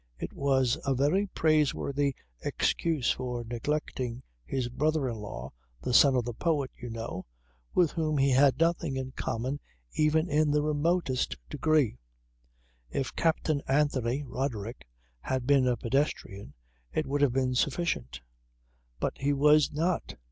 It was a very praiseworthy excuse for neglecting his brother in law "the son of the poet, you know," with whom he had nothing in common even in the remotest degree. If Captain Anthony (Roderick) had been a pedestrian it would have been sufficient; but he was not.